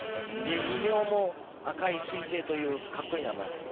異名も赤い彗星という格好いい名前。